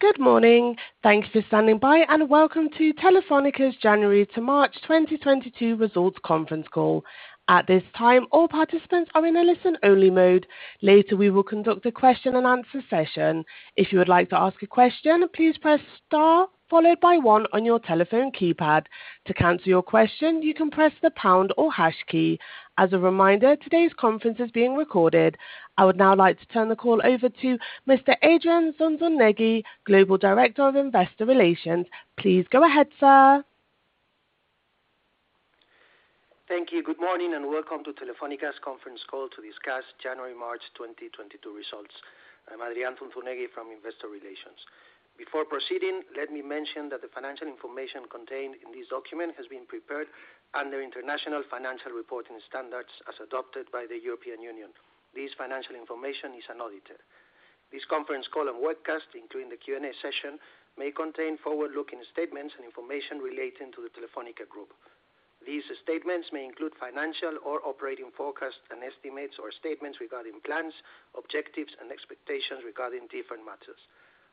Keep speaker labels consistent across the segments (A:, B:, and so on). A: Good morning. Thanks for standing by, and welcome to Telefónica's January to March 2022 results conference call. At this time, all participants are in a listen-only mode. Later, we will conduct a question-and-answer session. If you would like to ask a question, please press star followed by one on your telephone keypad. To cancel your question, you can press the pound or hash key. As a reminder, today's conference is being recorded. I would now like to turn the call over to Mr. Adrián Zunzunegui, Global Director of Investor Relations. Please go ahead, sir.
B: Thank you. Good morning, and welcome to Telefónica's conference call to discuss January to March 2022 results. I'm Adrián Zunzunegui from Investor Relations. Before proceeding, let me mention that the financial information contained in this document has been prepared under International Financial Reporting Standards as adopted by the European Union. This financial information is unaudited. This conference call and webcast, including the Q&A session, may contain forward-looking statements and information relating to the Telefónica group. These statements may include financial or operating forecasts and estimates or statements regarding plans, objectives, and expectations regarding different matters.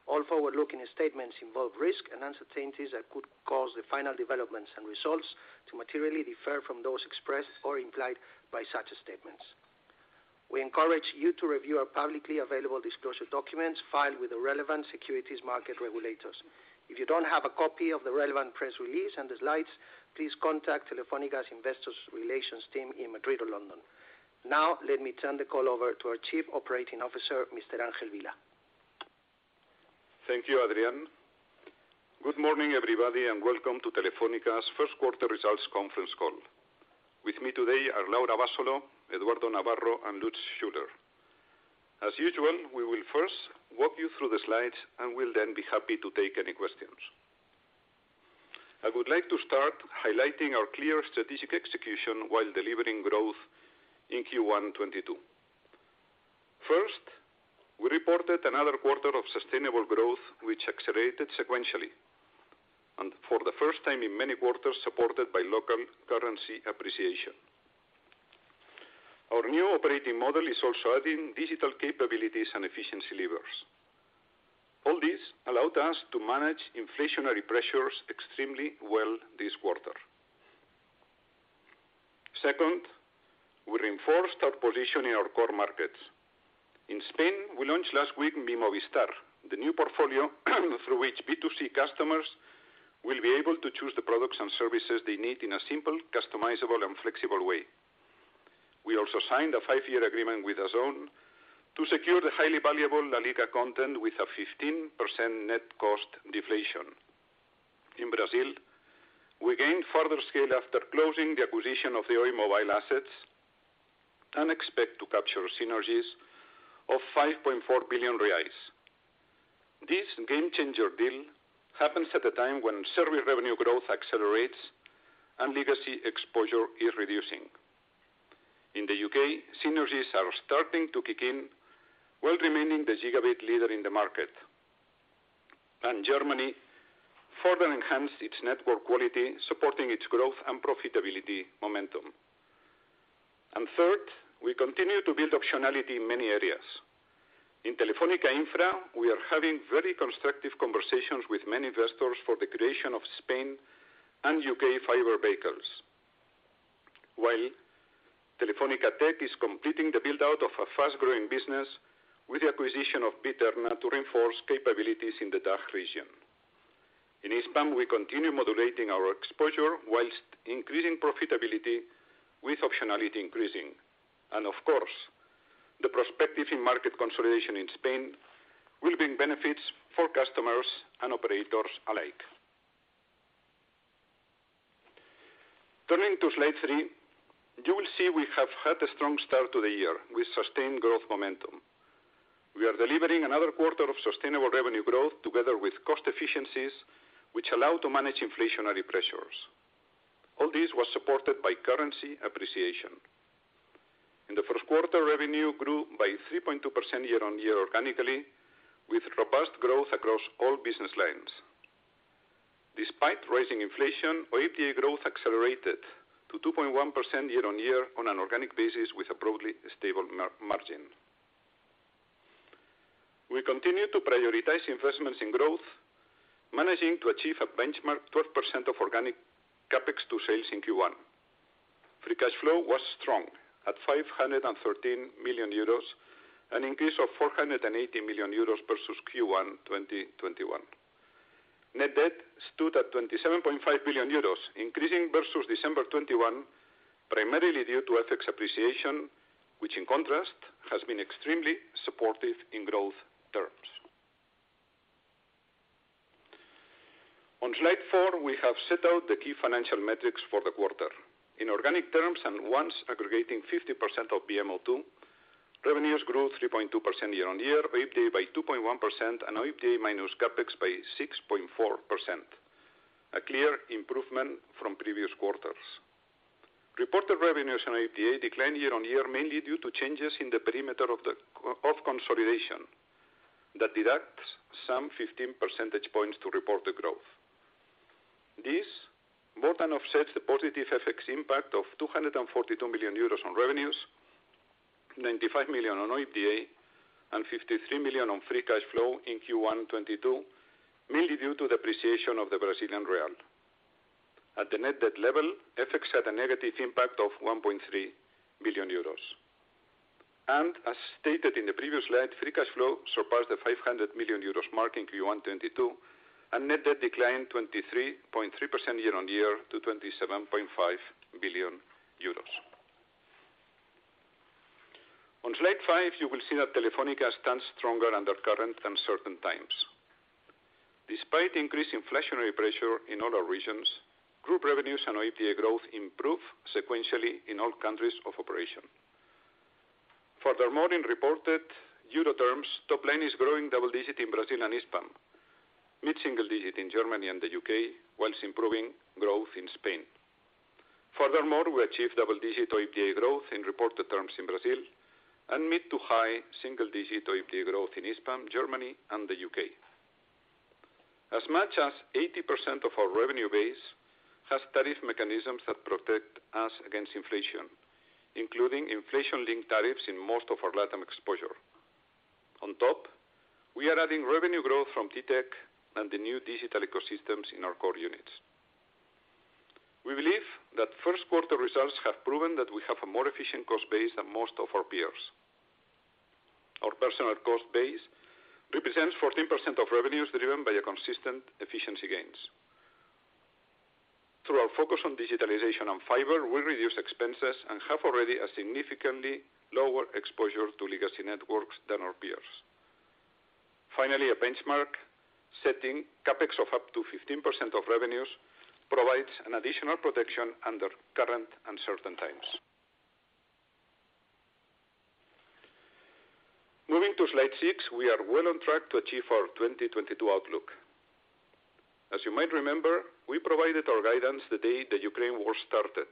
B: All forward-looking statements involve risks and uncertainties that could cause the final developments and results to materially differ from those expressed or implied by such statements. We encourage you to review our publicly available disclosure documents filed with the relevant securities market regulators. If you don't have a copy of the relevant press release and the slides, please contact Telefónica's Investor Relations team in Madrid or London. Now, let me turn the call over to our Chief Operating Officer, Mr. Ángel Vilá.
C: Thank you, Adrián. Good morning, everybody, and welcome to Telefónica's first quarter results conference call. With me today are Laura Abasolo, Eduardo Navarro, and Lutz Schüler. As usual, we will first walk you through the slides and will then be happy to take any questions. I would like to start highlighting our clear strategic execution while delivering growth in Q1 2022. First, we reported another quarter of sustainable growth, which accelerated sequentially, and for the first time in many quarters, supported by local currency appreciation. Our new operating model is also adding digital capabilities and efficiency levers. All this allowed us to manage inflationary pressures extremely well this quarter. Second, we reinforced our position in our core markets. In Spain, we launched last week Mi Movistar, the new portfolio through which B2C customers will be able to choose the products and services they need in a simple, customizable, and flexible way. We also signed a five-year agreement with DAZN to secure the highly valuable LaLiga content with a 15% net cost deflation. In Brazil, we gained further scale after closing the acquisition of the Oi mobile assets and expect to capture synergies of 5.4 billion reais. This game-changer deal happens at a time when service revenue growth accelerates, and legacy exposure is reducing. In the U.K., synergies are starting to kick in while remaining the gigabit leader in the market. Germany further enhanced its network quality, supporting its growth and profitability momentum. Third, we continue to build optionality in many areas. In Telefónica Infra, we are having very constructive conversations with many investors for the creation of Spain and U.K. fiber vehicles. While Telefónica Tech is completing the build-out of a fast-growing business with the acquisition of BE-terna to reinforce capabilities in the DACH region. In Hispam, we continue modulating our exposure while increasing profitability with optionality increasing. Of course, the prospects for market consolidation in Spain will bring benefits for customers and operators alike. Turning to slide three, you will see we have had a strong start to the year with sustained growth momentum. We are delivering another quarter of sustainable revenue growth together with cost efficiencies, which allow us to manage inflationary pressures. All this was supported by currency appreciation. In the first quarter, revenue grew by 3.2% year-over-year organically, with robust growth across all business lines. Despite rising inflation, OIBDA growth accelerated to 2.1% year-on-year on an organic basis with a broadly stable margin. We continue to prioritize investments in growth, managing to achieve a benchmark 12% of organic CapEx to sales in Q1. Free cash flow was strong at 513 million euros, an increase of 480 million euros versus Q1 2021. Net debt stood at 27.5 billion euros, increasing versus December 2021, primarily due to FX appreciation, which in contrast has been extremely supportive in growth terms. On slide four, we have set out the key financial metrics for the quarter. In organic terms and once aggregating 50% of VMO2, revenues grew 3.2% year-on-year, OIBDA by 2.1%, and OIBDA minus CapEx by 6.4%. A clear improvement from previous quarters. Reported revenues and OIBDA declined year-on-year, mainly due to changes in the perimeter of consolidation that deducts some 15 percentage points to reported growth. This more than offsets the positive FX impact of 242 million euros on revenues, 95 million on OIBDA, and 53 million on free cash flow in Q1 2022, mainly due to the appreciation of the Brazilian real. At the net debt level, FX had a negative impact of 1.3 billion euros. As stated in the previous slide, free cash flow surpassed the 500 million euros mark in Q1 2022, and net debt declined 23.3% year-on-year to EUR 27.5 billion. On slide five, you will see that Telefónica stands stronger under the current uncertain times. Despite increased inflationary pressure in other regions, group revenues and OIBDA growth improved sequentially in all countries of operation. Furthermore, in reported Euro terms, top line is growing double-digit in Brazil and Spain, mid-single-digit in Germany and the U.K., while improving growth in Spain. Furthermore, we achieved double-digit OIBDA growth in reported terms in Brazil and mid- to high-single-digit OIBDA growth in Spain, Germany, and the U.K. As much as 80% of our revenue base has tariff mechanisms that protect us against inflation, including inflation-linked tariffs in most of our LatAm exposure. On top, we are adding revenue growth from TTEC and the new digital ecosystems in our core units. We believe that first quarter results have proven that we have a more efficient cost base than most of our peers. Our personnel cost base represents 14% of revenues, driven by a consistent efficiency gains. Through our focus on digitalization and fiber, we reduce expenses and have already a significantly lower exposure to legacy networks than our peers. Finally, a benchmark-setting CapEx of up to 15% of revenues provides an additional protection under current uncertain times. Moving to slide six, we are well on track to achieve our 2022 outlook. As you might remember, we provided our guidance the day the Ukraine war started,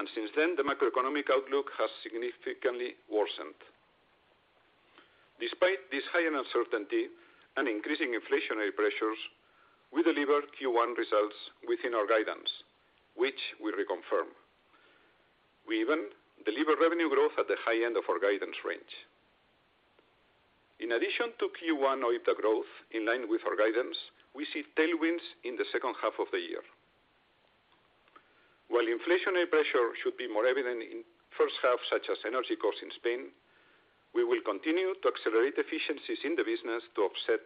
C: and since then, the macroeconomic outlook has significantly worsened. Despite this high uncertainty and increasing inflationary pressures, we delivered Q1 results within our guidance, which we reconfirm. We even deliver revenue growth at the high end of our guidance range. In addition to Q1 OIBDA growth in line with our guidance, we see tailwinds in the second half of the year. While inflationary pressure should be more evident in the first half, such as energy costs in Spain, we will continue to accelerate efficiencies in the business to offset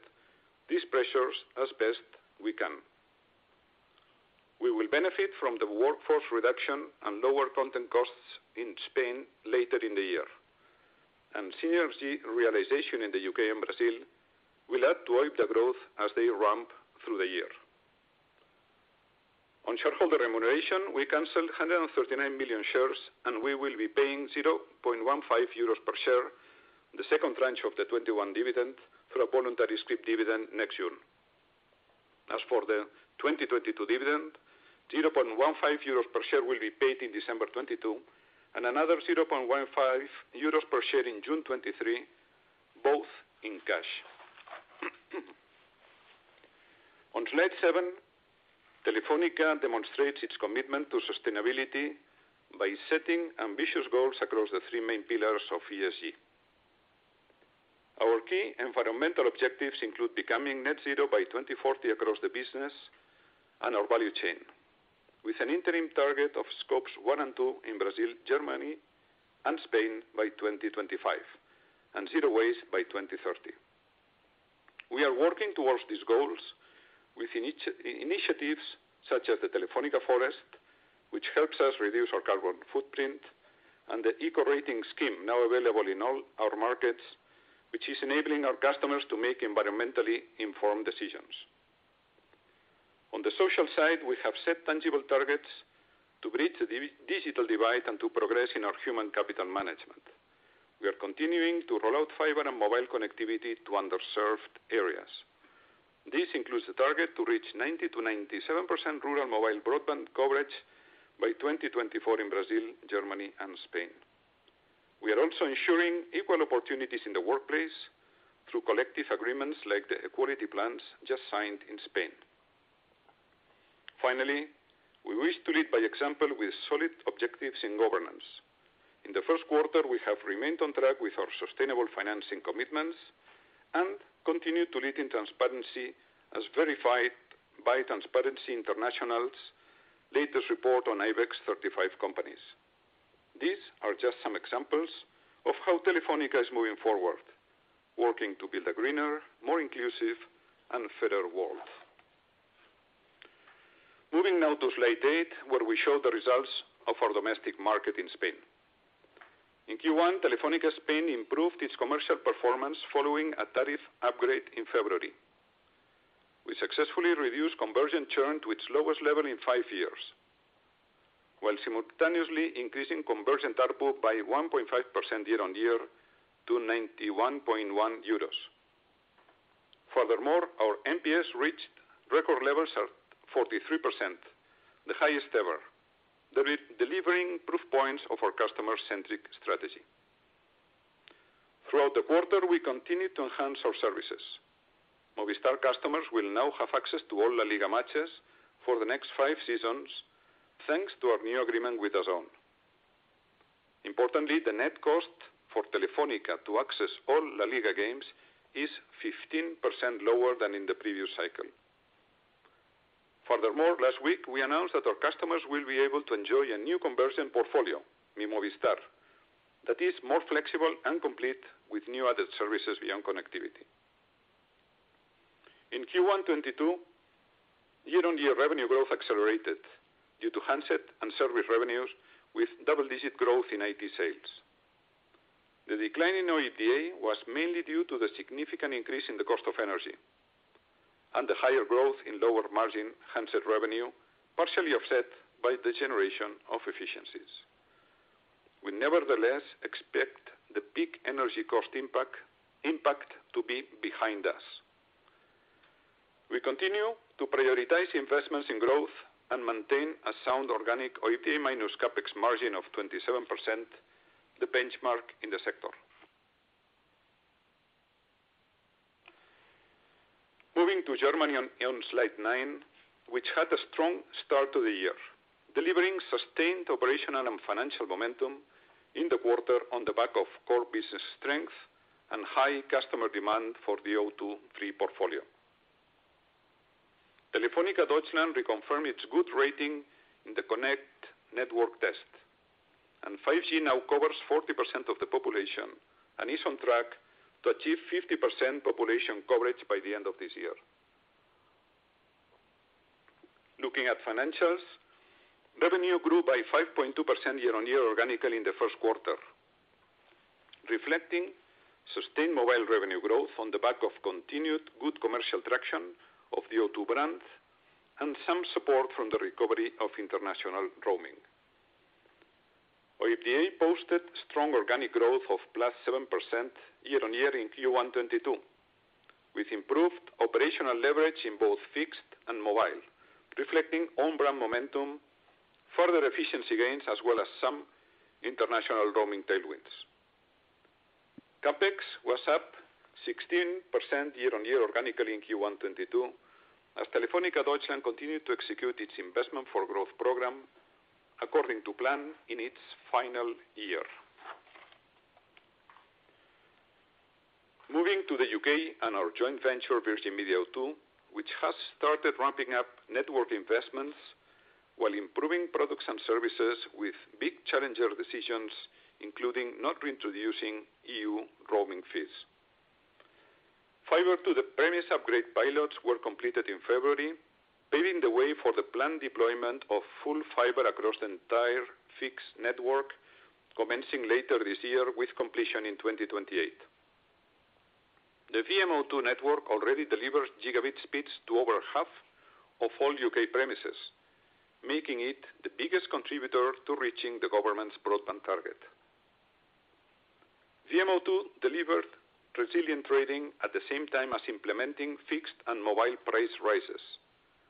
C: these pressures as best we can. We will benefit from the workforce reduction and lower content costs in Spain later in the year. Synergy realization in the U.K. and Brazil will add to OIBDA growth as they ramp through the year. On shareholder remuneration, we canceled 139 million shares, and we will be paying 0.15 euros per share, the second tranche of the 2021 dividend, through a voluntary scrip dividend next June. As for the 2022 dividend, 0.15 euros per share will be paid in December 2022, and another 0.15 euros per share in June 2023, both in cash. On slide seven, Telefónica demonstrates its commitment to sustainability by setting ambitious goals across the three main pillars of ESG. Our key environmental objectives include becoming net zero by 2040 across the business and our value chain, with an interim target of Scope one and two in Brazil, Germany, and Spain by 2025, and zero waste by 2030. We are working towards these goals with initiatives such as the Telefónica Forest, which helps us reduce our carbon footprint, and the Eco Rating scheme now available in all our markets, which is enabling our customers to make environmentally informed decisions. On the social side, we have set tangible targets to bridge the digital divide and to progress in our human capital management. We are continuing to roll out fiber and mobile connectivity to underserved areas. This includes a target to reach 90%-97% rural mobile broadband coverage by 2024 in Brazil, Germany, and Spain. We are also ensuring equal opportunities in the workplace through collective agreements like the equality plans just signed in Spain. Finally, we wish to lead by example with solid objectives in governance. In the first quarter, we have remained on track with our sustainable financing commitments and continue to lead in transparency, as verified by Transparency International's latest report on IBEX 35 companies. These are just some examples of how Telefónica is moving forward, working to build a greener, more inclusive, and fairer world. Moving now to slide eight, where we show the results of our domestic market in Spain. In Q1, Telefónica Spain improved its commercial performance following a tariff upgrade in February. We successfully reduced conversion churn to its lowest level in five years, while simultaneously increasing conversion ARPU by 1.5% year-on-year to 91.1 euros. Furthermore, our NPS reached record levels at 43%, the highest ever, delivering proof points of our customer-centric strategy. Throughout the quarter, we continued to enhance our services. Movistar customers will now have access to all LaLiga matches for the next five seasons, thanks to our new agreement with DAZN. Importantly, the net cost for Telefónica to access all LaLiga games is 15% lower than in the previous cycle. Furthermore, last week we announced that our customers will be able to enjoy a new conversion portfolio, Mi Movistar, that is more flexible and complete with new added services beyond connectivity. In Q1 2022, year-on-year revenue growth accelerated due to handset and service revenues, with double-digit growth in IT sales. The decline in OIBDA was mainly due to the significant increase in the cost of energy and the higher growth in lower margin handset revenue, partially offset by the generation of efficiencies. We nevertheless expect the peak energy cost impact to be behind us. We continue to prioritize investments in growth and maintain a sound organic OIBDA minus CapEx margin of 27%, the benchmark in the sector. Moving to Germany on slide nine, which had a strong start to the year, delivering sustained operational and financial momentum in the quarter on the back of core business strength and high customer demand for the O2 Free portfolio. Telefónica Deutschland reconfirmed its good rating in the Connect network test, and 5G now covers 40% of the population and is on track to achieve 50% population coverage by the end of this year. Looking at financials, revenue grew by 5.2% year-on-year organically in the first quarter, reflecting sustained mobile revenue growth on the back of continued good commercial traction of the O2 brand and some support from the recovery of international roaming. OIBDA posted strong organic growth of +7% year-on-year in Q1 2022, with improved operational leverage in both fixed and mobile, reflecting own brand momentum, further efficiency gains, as well as some international roaming tailwinds. CapEx was up 16% year-on-year organically in Q1 2022 as Telefónica Deutschland continued to execute its investment for growth program according to plan in its final year. Moving to the U.K. and our joint venture, Virgin Media O2, which has started ramping up network investments while improving products and services with big challenger decisions, including not reintroducing EU roaming fees. Fiber to the premises upgrade pilots were completed in February, paving the way for the planned deployment of full fiber across the entire fixed network commencing later this year, with completion in 2028. The VMO2 network already delivers gigabit speeds to over half of all U.K. premises, making it the biggest contributor to reaching the government's broadband target. VMO2 delivered resilient trading at the same time as implementing fixed and mobile price rises,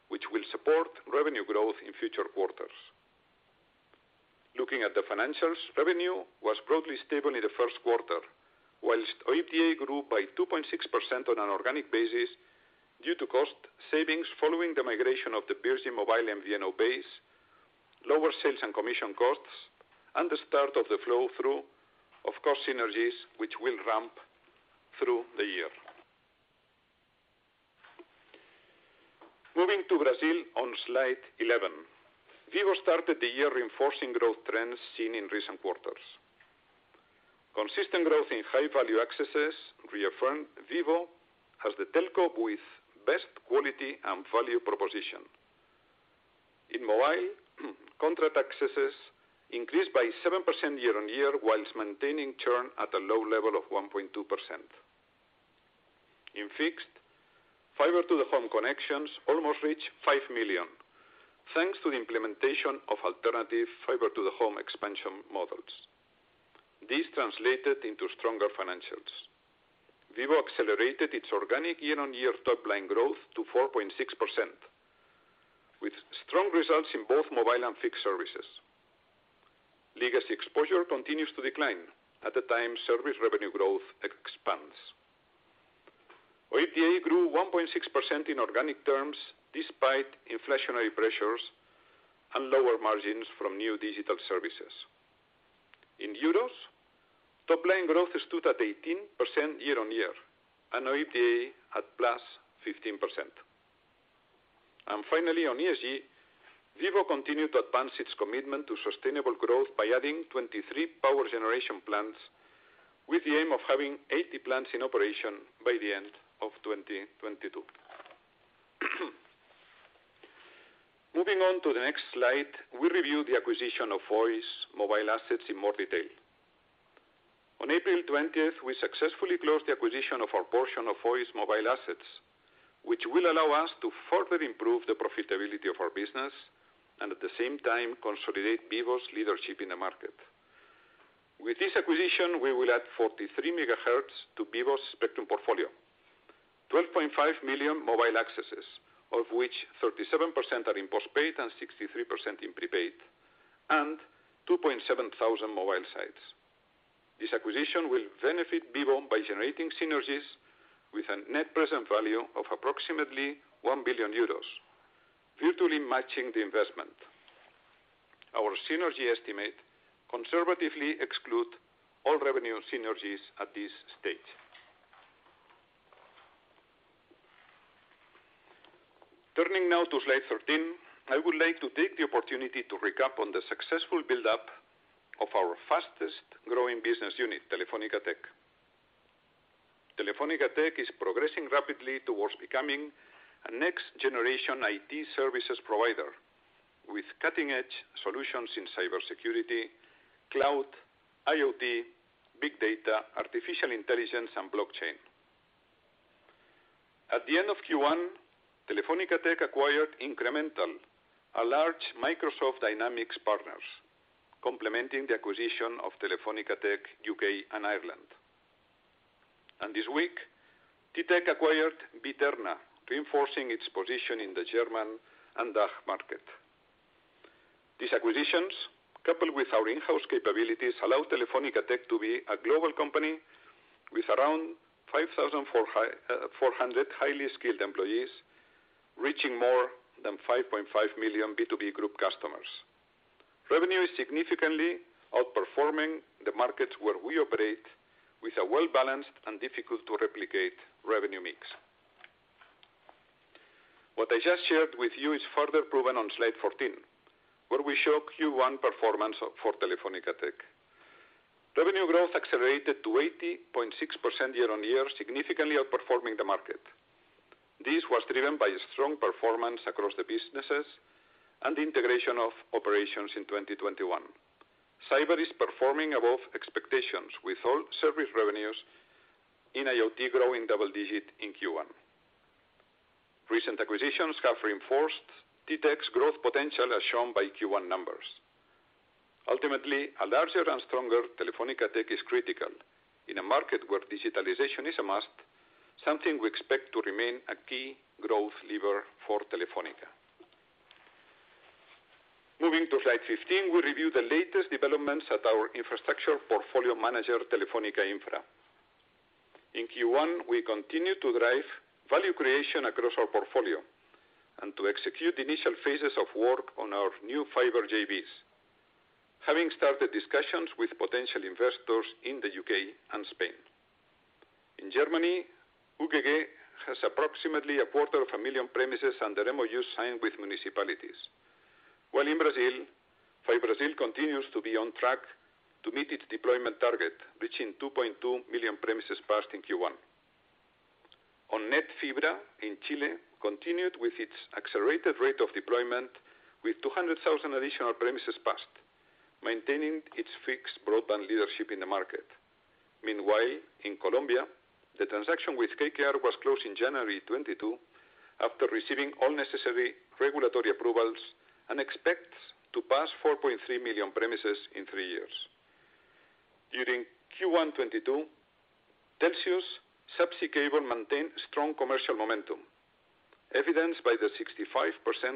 C: which will support revenue growth in future quarters. Looking at the financials, revenue was broadly stable in the first quarter, while OIBDA grew by 2.6% on an organic basis due to cost savings following the migration of the Virgin Mobile MVNO base, lower sales and commission costs, and the start of the flow-through of cost synergies, Which will ramp through the year. Moving to Brazil on slide 11. Vivo started the year reinforcing growth trends seen in recent quarters. Consistent growth in high-value accesses reaffirmed Vivo as the telco with best quality and value proposition. In mobile, contract accesses increased by 7% year-on-year while maintaining churn at a low level of 1.2%. In fixed, fiber-to-the-home connections, almost reached 5 million, thanks to the implementation of alternative fiber-to-the-home expansion models. This translated into stronger financials. Vivo accelerated its organic year-on-year top-line growth to 4.6%, with strong results in both mobile and fixed services. Legacy exposure continues to decline at the same time service revenue growth expands. OIBDA grew 1.6% in organic terms despite inflationary pressures and lower margins from new digital services. In euros, top-line growth stood at 18% year-on-year and OIBDA at +15%. Finally, on ESG, Vivo continued to advance its commitment to sustainable growth by adding 23 power generation plants with the aim of having 80 plants in operation by the end of 2022. Moving on to the next slide, we review the acquisition of Oi's mobile assets in more detail. On April 20, we successfully closed the acquisition of our portion of Oi's mobile assets, which will allow us to further improve the profitability of our business and, at the same time, consolidate Vivo's leadership in the market. With this acquisition, we will add 43 MHz to Vivo's spectrum portfolio. 12.5 million mobile accesses, of which 37% are in postpaid and 63% in prepaid, and 2,700 mobile sites. This acquisition will benefit Vivo by generating synergies with a net present value of approximately 1 billion euros, virtually matching the investment. Our synergy estimate conservatively excludes all revenue synergies at this stage. Turning now to slide 13, I would like to take the opportunity to recap on the successful build-up of our fastest-growing business unit, Telefónica Tech. Telefónica Tech is progressing rapidly towards becoming a next-generation IT services provider with cutting-edge solutions in cybersecurity, cloud, IoT, big data, artificial intelligence, and blockchain. At the end of Q1, Telefónica Tech acquired Incremental, a large Microsoft Dynamics partner, complementing the acquisition of Telefónica Tech U.K. and Ireland. This week, T-Tech acquired BE-terna, reinforcing its position in the German and DACH markets. These acquisitions, coupled with our in-house capabilities, allow Telefónica Tech to be a global company with around 5,400 highly skilled employees, reaching more than 5.5 million B2B group customers. Revenue is significantly outperforming the markets where we operate with a well-balanced and difficult-to-replicate revenue mix. What I just shared with you is further proven on slide 14, where we show Q1 performance for Telefónica Tech. Revenue growth accelerated to 80.6% year-on-year, significantly outperforming the market. This was driven by strong performance across the businesses and the integration of operations in 2021. Cyber is performing above expectations, with all service revenues in IoT growing double-digit in Q1. Recent acquisitions have reinforced T-Tech's growth potential, as shown by Q1 numbers. Ultimately, a larger and stronger Telefónica Tech is critical in a market where digitalization is a must, something we expect to remain a key growth lever for Telefónica. Moving to slide 15, we review the latest developments at our infrastructure portfolio manager, Telefónica Infra. In Q1, we continued to drive value creation across our portfolio and to execute the initial phases of work on our new fiber JVs, having started discussions with potential investors in the U.K. and Spain. In Germany, UGG has approximately a quarter of a million premises and the MOUs signed with municipalities. While in Brazil, FiBrasil continues to be on track to meet its deployment target, reaching 2.2 million premises passed in Q1. OnNet Fibra in Chile continued with its accelerated rate of deployment, with 200,000 additional premises passed, maintaining its fixed broadband leadership in the market. Meanwhile, in Colombia, the transaction with KKR was closed in January 2022 after receiving all necessary regulatory approvals, and expects to pass 4.3 million premises in three years. During Q1 2022, Telxius subsea cable maintained strong commercial momentum, evidenced by the 65%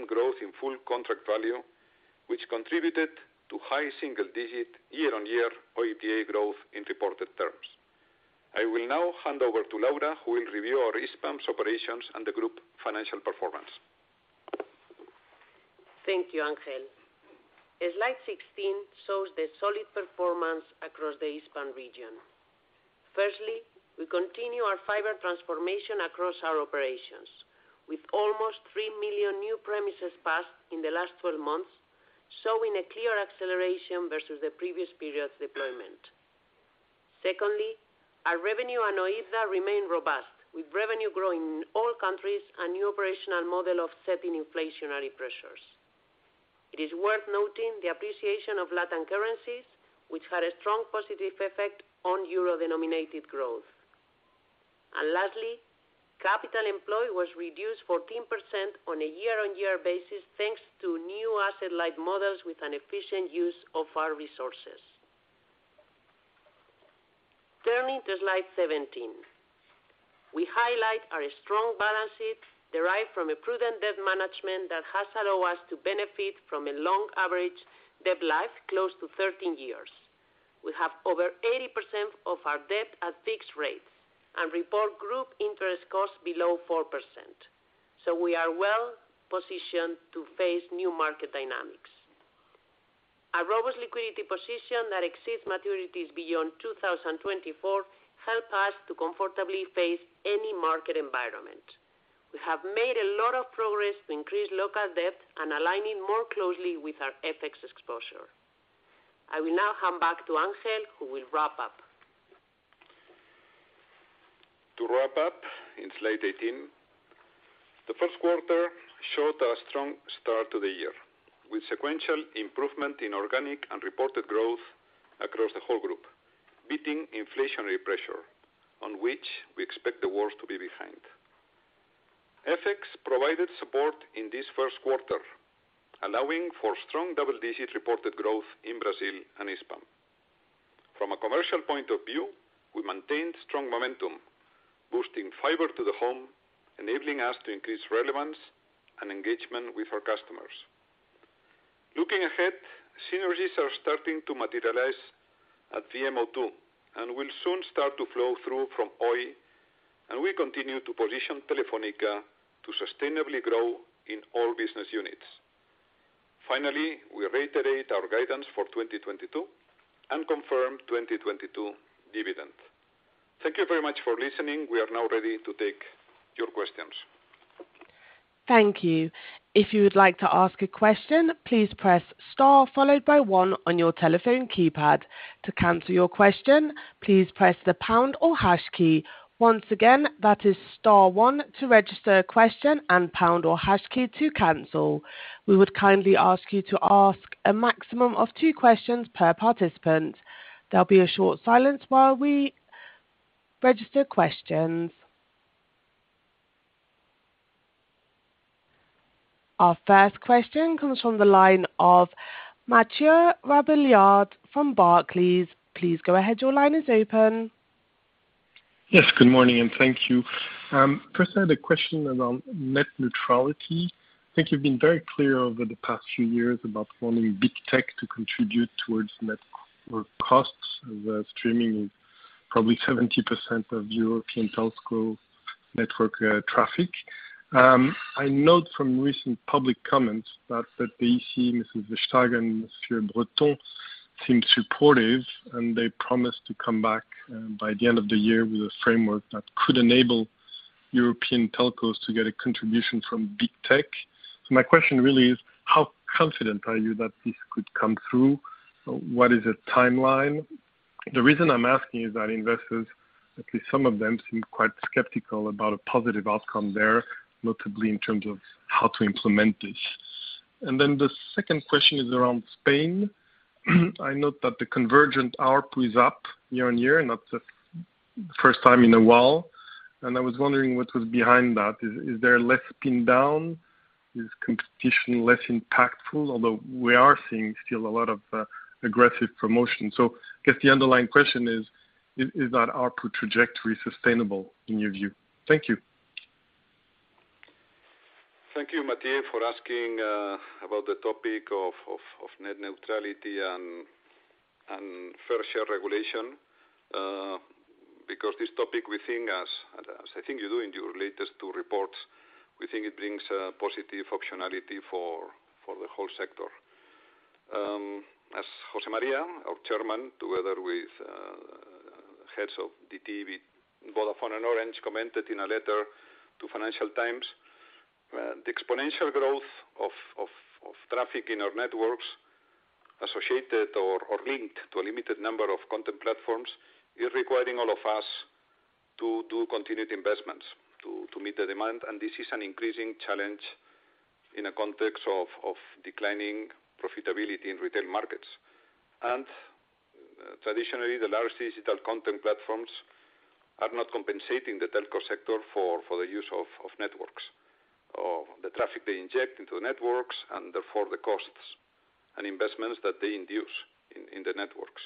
C: growth in full contract value, which contributed to high single-digit year-on-year OIBDA growth in reported terms. I will now hand over to Laura, who will review our Hispam operations and the group's financial performance.
D: Thank you, Ángel. As slide 16 shows the solid performance across the Hispam region. Firstly, we continue our fiber transformation across our operations with almost 3 million new premises passed in the last 12 months, showing a clear acceleration versus the previous period's deployment. Secondly, our revenue and OIBDA remain robust, with revenue growing in all countries, a new operational model offsetting inflationary pressures. It is worth noting the appreciation of Latin currencies, which had a strong positive effect on euro-denominated growth. Lastly, capital employed was reduced 14% on a year-on-year basis, thanks to new asset-light models with an efficient use of our resources. Turning to slide 17. We highlight our strong balance sheet derived from a prudent debt management that has allowed us to benefit from a long average debt life, close to 13 years. We have over 80% of our debt at fixed rates and report group interest costs below 4%, so we are well-positioned to face new market dynamics. A robust liquidity position that exceeds maturities beyond 2024 helps us to comfortably face any market environment. We have made a lot of progress to increase local debt and aligning more closely with our FX exposure. I will now hand back to Ángel Vilá, who will wrap up.
C: To wrap up, in slide 18, the first quarter showed a strong start to the year, with sequential improvement in organic and reported growth across the whole group, beating inflationary pressure, on which we expect the worst to be behind. FX provided support in this first quarter, allowing for strong double-digit reported growth in Brazil and Hispam. From a commercial point of view, we maintained strong momentum, boosting fiber to the home, enabling us to increase relevance and engagement with our customers. Looking ahead, synergies are starting to materialize at VMO2, and will soon start to flow through from Oi, and we continue to position Telefónica to sustainably grow in all business units. Finally, we reiterate our guidance for 2022, and confirm 2022 dividend. Thank you very much for listening. We are now ready to take your questions.
A: Thank you. If you would like to ask a question, please press star followed by one on your telephone keypad. To cancel your question, please press the pound or hash key. Once again, that is star one to register a question and pound or hash key to cancel. We would kindly ask you to ask a maximum of two questions per participant. There'll be a short silence while we register questions. Our first question comes from the line of Mathieu Robilliard from Barclays. Please go ahead. Your line is open.
E: Yes, good morning, and thank you. First, I had a question around net neutrality. I think you've been very clear over the past few years about wanting big tech to contribute towards network costs of streaming, probably 70% of European telco network traffic. I note from recent public comments that the EC, Mrs. Vestager, and Monsieur Breton seem supportive, and they promise to come back by the end of the year with a framework that could enable European telcos to get a contribution from big tech. So my question really is, how confident are you that this could come through? What is the timeline? The reason I'm asking is that investors, at least some of them, seem quite skeptical about a positive outcome there, notably in terms of how to implement this. The second question is around Spain. I note that the convergent ARPU is up year on year, and that's the first time in a while. I was wondering what was behind that. Is there less pinned down? Is competition less impactful? Although we are seeing still a lot of aggressive promotion. I guess the underlying question is that ARPU trajectory sustainable in your view? Thank you.
C: Thank you, Mathieu, for asking about the topic of net neutrality and fair share regulation, because this topic we think, as I think you do in your latest two reports, we think it brings a positive optionality for the whole sector. As José María, our Chairman, together with heads of DT, Vodafone, and Orange, commented in a letter to Financial Times, the exponential growth of traffic in our networks associated or linked to a limited number of content platforms is requiring all of us to continue the investments to meet the demand. This is an increasing challenge in a context of declining profitability in retail markets. Traditionally, the largest digital content platforms are not compensating the telco sector for the use of networks, or the traffic they inject into the networks, and therefore the costs and investments that they induce in the networks.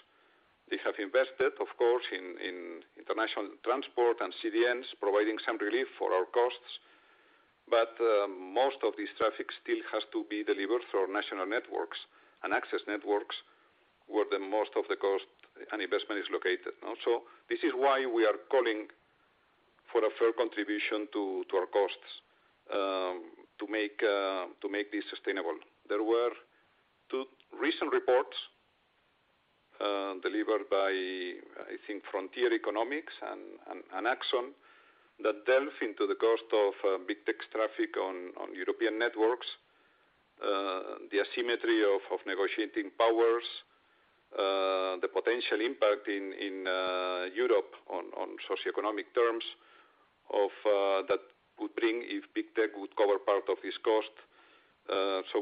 C: They have invested, of course, in international transport and CDNs, providing some relief for our costs. Most of this traffic still has to be delivered through national networks and access networks, where most of the cost and investment is located. Also, this is why we are calling for a fair contribution to our costs, to make this sustainable. There were two recent reports delivered by, I think, Frontier Economics and Axon, that delve into the cost of big tech's traffic on European networks, the asymmetry of negotiating powers, the potential impact in Europe on socioeconomic terms of that would bring if big tech would cover part of this cost.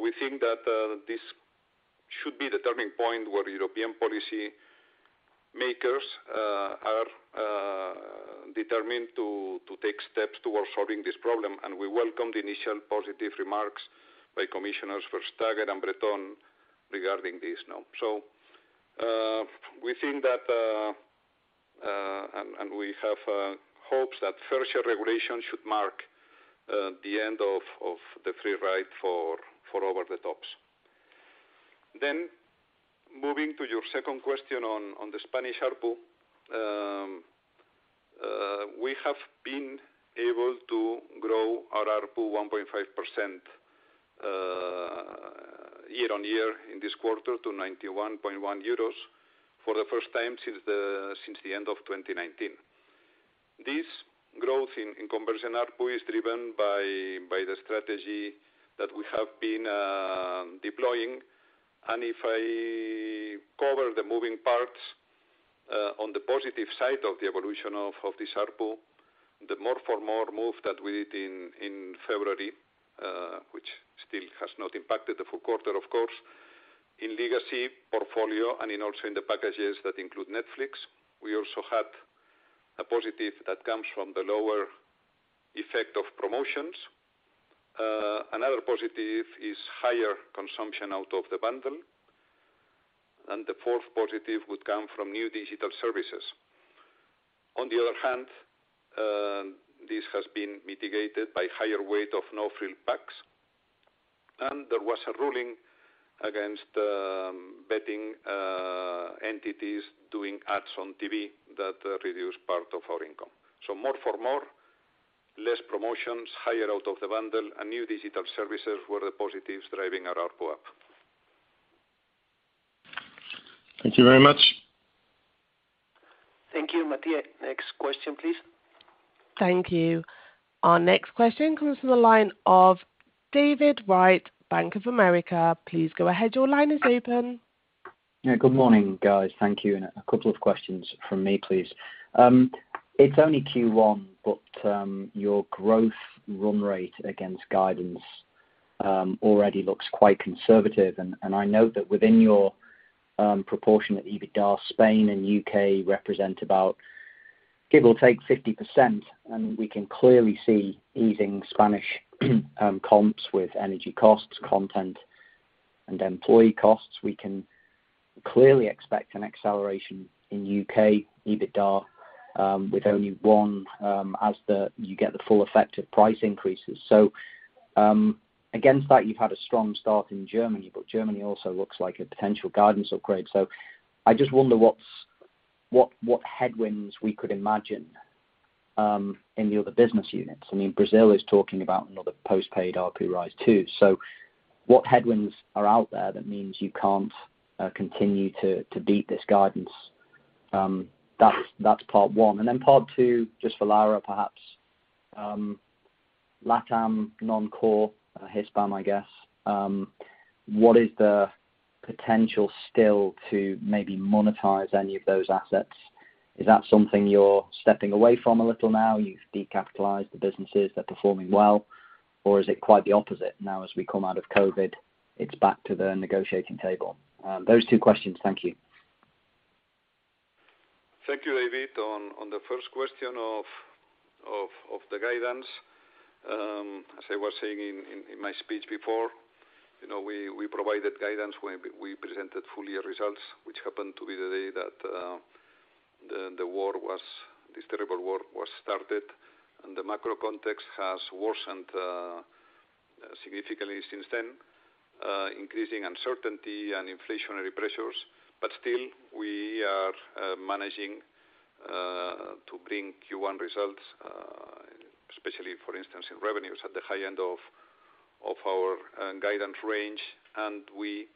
C: We think that this should be the turning point where European policy makers are determined to take steps towards solving this problem. We welcome the initial positive remarks by Commissioners Vestager and Breton regarding this now. We think that, and we have hopes that fair share regulation should mark the end of the free ride for over-the-tops. Moving to your second question on the Spanish ARPU. We have been able to grow our ARPU 1.5% year-on-year in this quarter to 91.1 euros For the first time since the end of 2019. This growth in commercial ARPU is driven by the strategy that we have been deploying. If I cover the moving parts on the positive side of the evolution of this ARPU, the more for more move that we did in February, which still has not impacted the full quarter, of course, in legacy portfolio and also in the packages that include Netflix. We also had a positive that comes from the lower effect of promotions. Another positive is higher consumption out of the bundle. The fourth positive would come from new digital services. On the other hand, this has been mitigated by higher weight of no-frill packs. There was a ruling against betting entities doing ads on TV that reduced part of our income. More for more, less promotions, higher out-of-the-bundle and new digital services were the positives driving our ARPU up.
E: Thank you very much.
B: Thank you, Mattia. Next question, please.
A: Thank you. Our next question comes from the line of David Wright, Bank of America. Please go ahead. Your line is open.
F: Yeah, good morning, guys. Thank you. A couple of questions from me, please. It's only Q1, but your growth run rate against guidance already looks quite conservative. I know that within your proportionate OIBDA, Spain and U.K. represent about, give or take 50%. We can clearly see easing Spanish comps with energy costs, content, and employee costs. We can clearly expect an acceleration in UK OIBDA as you get the full effect of price increases. Against that, you've had a strong start in Germany, but Germany also looks like a potential guidance upgrade. I just wonder what headwinds we could imagine in the other business units. I mean, Brazil is talking about another post-paid ARPU rise too. What headwinds are out there that means you can't continue to beat this guidance? That's part one. Part two, just for Laura Abasolo, perhaps. LatAm non-core, Hispam, I guess. What is the potential still to maybe monetize any of those assets? Is that something you're stepping away from a little now? You've decapitalized the businesses, they're performing well, or is it quite the opposite? Now, as we come out of COVID, it's back to the negotiating table. Those two questions. Thank you.
C: Thank you, David. On the first question of the guidance. As I was saying in my speech before, you know, we provided guidance when we presented full-year results, which happened to be the day that the war was, this terrible war, was started. The macro context has worsened significantly since then, increasing uncertainty and inflationary pressures. Still, we are managing to bring Q1 results, especially for instance, in revenues, at the high end of our guidance range. We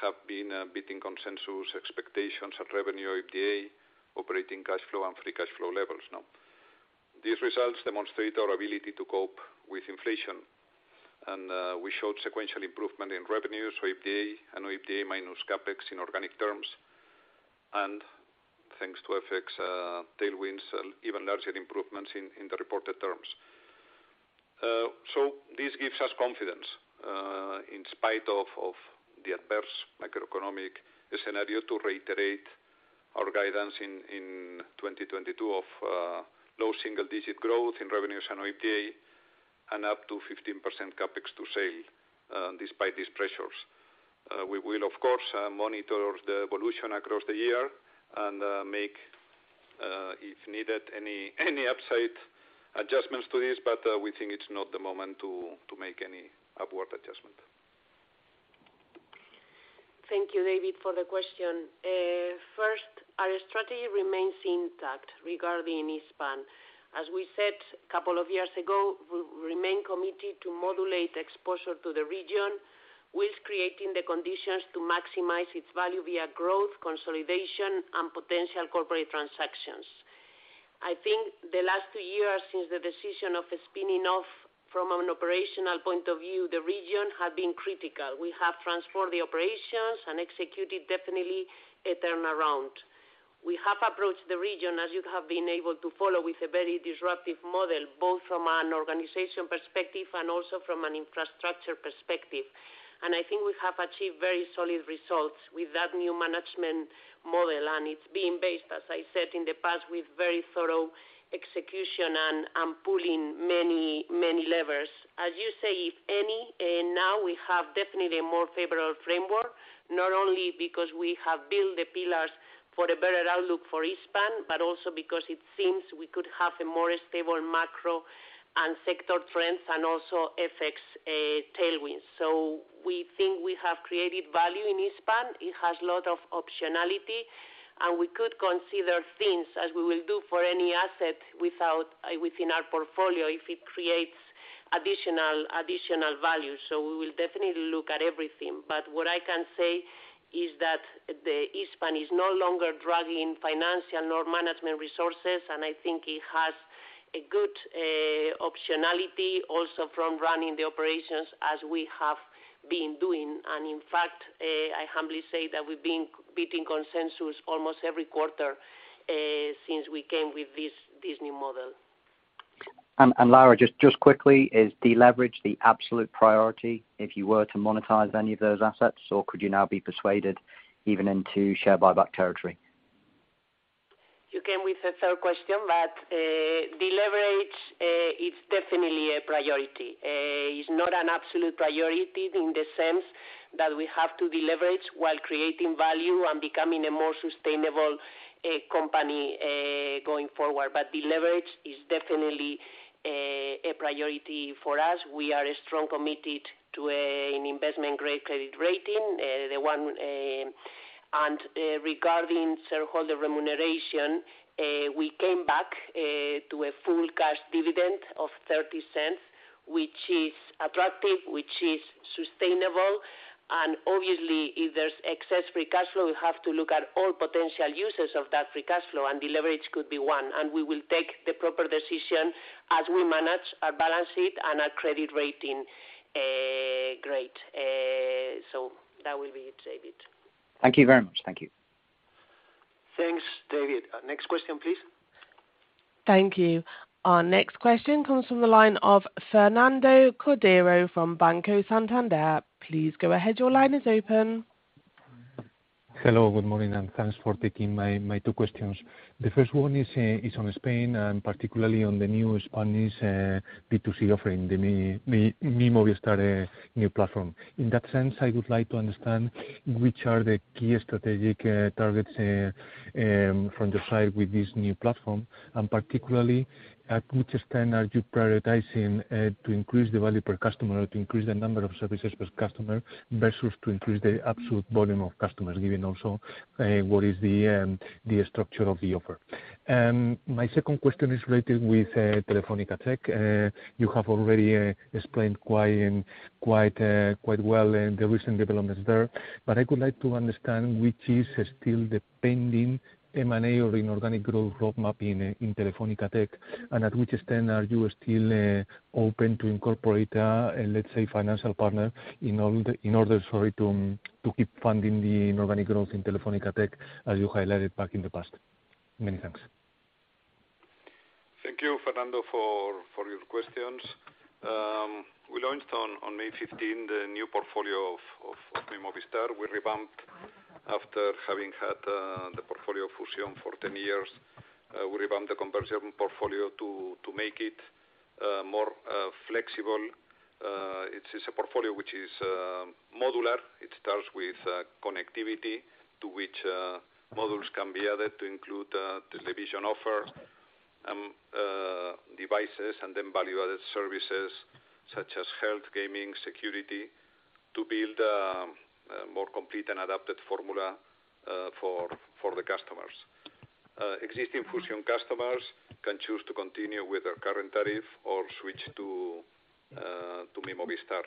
C: have been beating consensus expectations at revenue, OIBDA, operating cash flow, and free cash flow levels now. These results demonstrate our ability to cope with inflation. We showed sequential improvement in revenues, OIBDA, and OIBDA minus CapEx in organic terms. Thanks to FX tailwinds, even larger improvements in the reported terms. This gives us confidence in spite of the adverse macroeconomic scenario to reiterate our guidance in 2022 of low single-digit growth in revenues and OIBDA, and up to 15% CapEx to sales despite these pressures. We will, of course monitor the evolution across the year and make, if needed, any upside adjustments to this. We think it's not the moment to make any upward adjustment.
D: Thank you, David, for the question. First, our strategy remains intact regarding Hispam. As we said a couple of years ago, we remain committed to modulate exposure to the region while creating the conditions to maximize its value via growth, consolidation, and potential corporate transactions. I think the last two years, since the decision of spinning off from an operational point of view, the region has been critical. We have transformed the operations and executed definitely a turnaround. We have approached the region as you have been able to follow with a very disruptive model, both from an organization perspective and also from an infrastructure perspective. I think we have achieved very solid results with that new management model. It's being based, as I said in the past, with very thorough execution and pulling many, many levers. As you say, if any, now we have definitely a more favorable framework, not only because we have built the pillars for a better outlook for Hispam, but also because it seems we could have a more stable macro and sector trends, and also FX tailwinds. We think we have created value in Hispam. It has a lot of optionality, and we could consider things as we will do for any asset within our portfolio if it creates additional value. We will definitely look at everything. What I can say is that Hispam is no longer dragging financial nor management resources, and I think it has a good optionality also from running the operations as we have been doing. In fact, I humbly say that we've been beating consensus almost every quarter, since we came with this new model.
F: Laura, just quickly, is deleverage the absolute priority if you were to monetize any of those assets, or could you now be persuaded even into share buyback territory?
D: You came with a third question, but the leverage is definitely a priority. It's not an absolute priority in the sense that we have to deleverage while creating value and becoming a more sustainable company going forward. The leverage is definitely a priority for us. We are strongly committed to an investment-grade credit rating, the one. Regarding shareholder remuneration, we came back to a full cash dividend of 0.30, which is attractive, which is sustainable, and obviously, if there's excess free cash flow, we have to look at all potential uses of that free cash flow, and leverage could be one. We will take the proper decision as we manage our balance sheet and our credit rating grade. That will be it, David.
F: Thank you very much. Thank you.
C: Thanks, David. Next question, please.
A: Thank you. Our next question comes from the line of Fernando Cordero from Banco Santander. Please go ahead. Your line is open.
G: Hello. Good morning, and thanks for taking my two questions. The first one is on Spain, and particularly on the new Spanish B2C offering, the Mi Movistar new platform. In that sense, I would like to understand which are the key strategic targets from the side with this new platform, and particularly at which extent are you prioritizing to increase the value per customer, to increase the number of services per customer versus to increase the absolute volume of customers, given also what is the structure of the offer? My second question is related with Telefónica Tech. You have already explained quite well in the recent developments there, but I would like to understand which is still the pending M&A or inorganic growth roadmap in Telefónica Tech, and at which extent are you still open to incorporate, let's say, financial partner in order to keep funding the inorganic growth in Telefónica Tech as you highlighted back in the past. Many thanks.
C: Thank you, Fernando, for your questions. We launched on May 15 the new portfolio of Mi Movistar. We revamped after having had the portfolio Fusión for 10 years. We revamped the comparison portfolio to make it more flexible. It is a portfolio which is modular. It starts with connectivity to which models can be added to include television offers, devices, and then value-added services such as health, gaming, security to build a more complete and adapted formula for the customers. Existing Fusión customers can choose to continue with their current tariff or switch to Mi Movistar.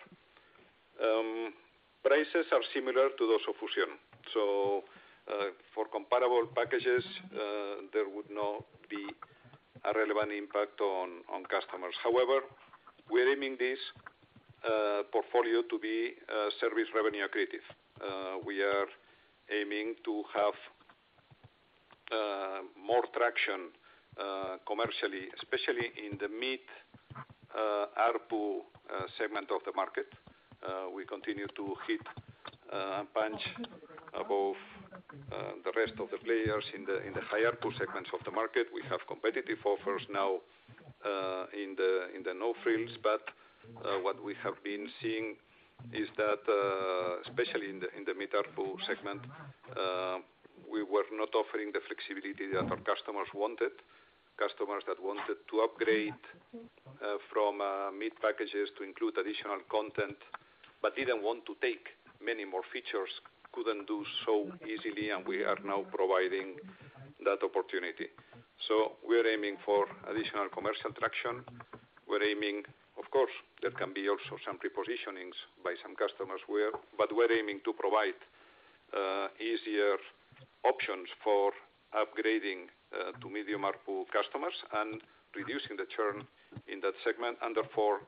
C: Prices are similar to those of Fusión. For comparable packages, there would not be a relevant impact on customers. However, we're aiming this portfolio to be service revenue accretive. We are aiming to have more traction commercially, especially in the mid ARPU segment of the market. We continue to punch above the rest of the players in the higher ARPU segments of the market. We have competitive offers now in the no-frills, but what we have been seeing is that, especially in the mid-ARPU segment, we were not offering the flexibility that our customers wanted. Customers that wanted to upgrade from mid packages to include additional content, but didn't want to take many more features, couldn't do so easily, and we are now providing that opportunity. We're aiming for additional commercial traction. We're aiming. Of course, there can be also some repositionings by some customers. We're aiming to provide easier options for upgrading to medium ARPU customers and reducing the churn in that segment, and therefore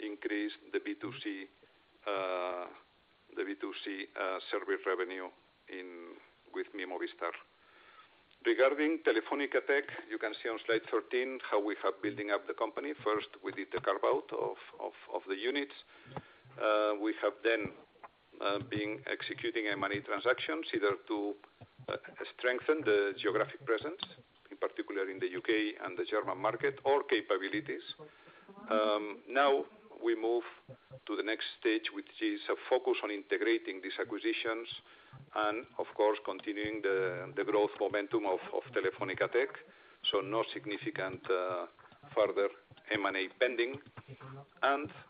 C: increase the B2C service revenue within Mi Movistar. Regarding Telefónica Tech, you can see on slide 13 how we have been building up the company. First, we did the carve-out of the units. We have then been executing M&A transactions either to strengthen the geographic presence, in particular in the U.K. and the German market, or capabilities. Now we move to the next stage, which is a focus on integrating these acquisitions and, Of course, continuing the growth momentum of Telefónica Tech, so no significant further M&A pending.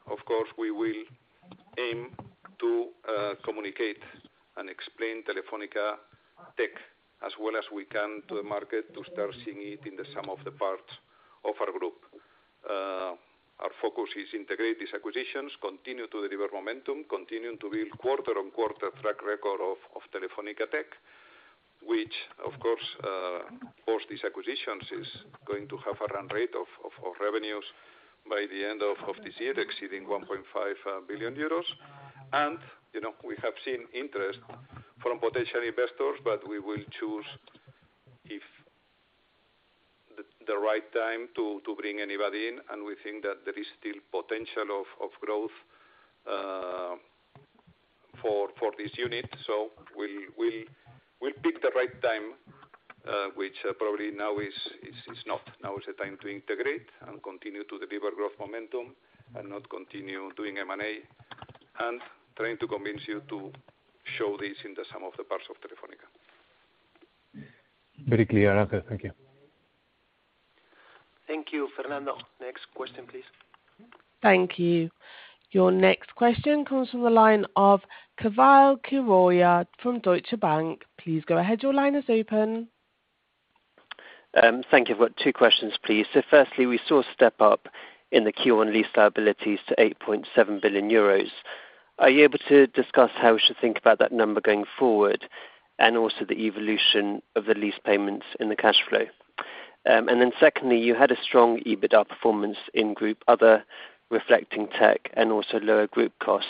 C: Of course, we will aim to communicate and explain Telefónica Tech as well as we can to the market to start seeing it in the sum of the parts of our group. Our focus is integrate these acquisitions, continue to deliver momentum, continue to build quarter-over-quarter track record of Telefónica Tech, which of course, post these acquisitions is going to have a run rate of revenues by the end of this year exceeding 1.5 billion euros. You know, we have seen interest from potential investors, but we will choose the right time to bring anybody in, and we think that there is still potential of growth for this unit. We'll pick the right time, which probably now is not. Now is the time to integrate and continue to deliver growth momentum and not continue doing M&A and trying to convince you to show this in the sum of the parts of Telefónica.
G: Very clear, Ángel. Thank you.
B: Thank you, Fernando. Next question, please.
A: Thank you. Your next question comes from the line of Keval Khiroya from Deutsche Bank. Please go ahead. Your line is open.
H: Thank you. I've got two questions, please. Firstly, we saw a step up in the Q1 lease liabilities to 8.7 billion euros. Are you able to discuss how we should think about that number going forward, and also the evolution of the lease payments in the cash flow? Secondly, you had a strong EBITDA performance in group other, reflecting tech and also lower group costs.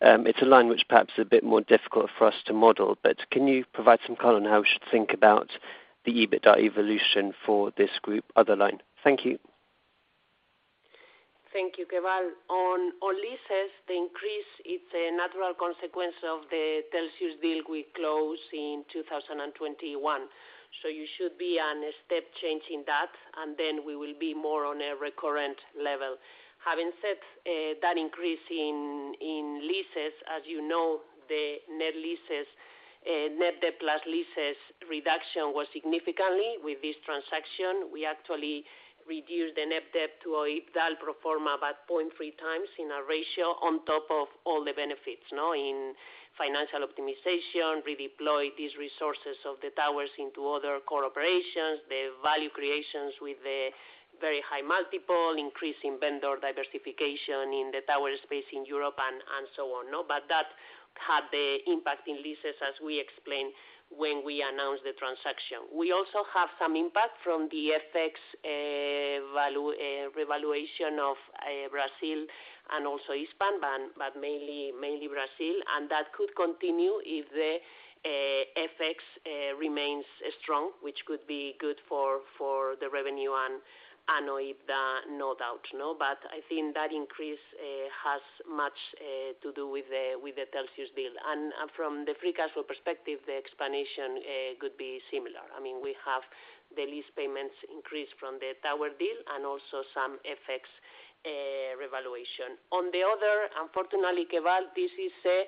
H: It's a line which perhaps a bit more difficult for us to model, but can you provide some color on how we should think about the EBITDA evolution for this group, other line? Thank you.
D: Thank you, Keval. On leases, the increase it's a natural consequence of the Telxius deal we closed in 2021. You should be on a step change in that, and then we will be more on a recurrent level. Having said that increase in leases, as you know, the net debt plus leases reduction was significant with this transaction. We actually reduced the net debt to an EBITDA pro forma of about 0.3x in our ratio on top of all the benefits, you know, in financial optimization, redeploy these resources of the towers into other core operations, the value creation with the very high multiple, increase in vendor diversification in the tower space in Europe, and so on. But that had the impact in leases as we explained when we announced the transaction. We also have some impact from the FX value revaluation of Brazil and also Hispam, but mainly Brazil. That could continue if the FX remains strong, which could be good for the revenue and OIBDA, no doubt, no? I think that increase has much to do with the Telxius deal. From the free cash flow perspective, the explanation could be similar. I mean, we have the lease payments increase from the tower deal, and also some FX revaluation. On the other, unfortunately, Keval, this is a